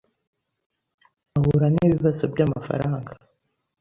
ahura nibibazo byamafaranga.